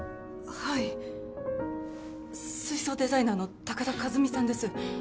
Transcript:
はい水槽デザイナーの高田和美さんです